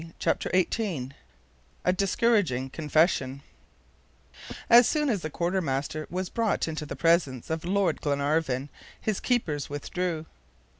CHAPTER XVIII A DISCOURAGING CONFESSION As soon as the quartermaster was brought into the presence of Lord Glenarvan, his keepers withdrew.